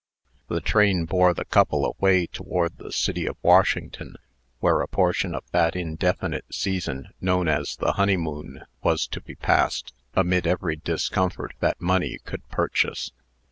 The train bore the couple away toward the city of Washington, where a portion of that indefinite season known as the honeymoon was to be passed, amid every discomfort that money could purchase.